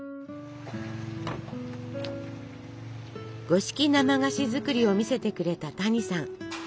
五色生菓子作りを見せてくれた谷さん。